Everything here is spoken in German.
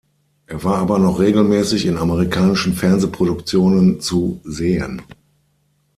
Er war aber noch regelmäßig in amerikanischen Fernsehproduktionen zu sehen.